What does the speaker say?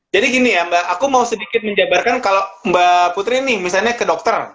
gini ya mbak aku mau sedikit menjabarkan kalau mbak putri nih misalnya ke dokter